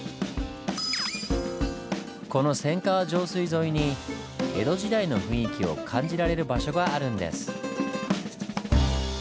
この千川上水沿いに江戸時代の雰囲気を感じられる場所があるんです。